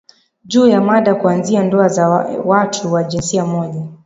juu ya mada kuanzia ndoa za watu wa jinsia moja